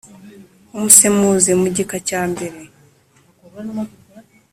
umusemuzi mu gika cya mbere